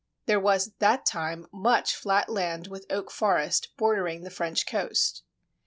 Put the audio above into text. There was at that time much flat land with oak forest bordering the French coast.